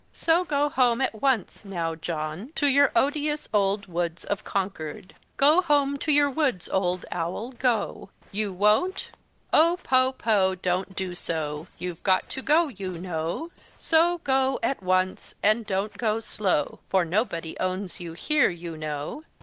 —so go home at once, now, John, to your odious old woods of Concord! Go home to your woods, old owl—go! You won't! Oh, poh, poh, John don't do so! You've got to go, you know! So go at once, and don't go slow, for nobody owns you here, you know!